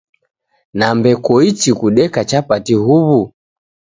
Nambe koichi kudeka chapati huw'u?